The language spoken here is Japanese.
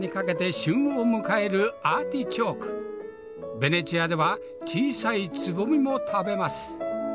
ベネチアでは小さいツボミも食べます。